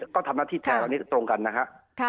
ก็ธรรมนาฌีแทวนี่ตรงกันนะครับ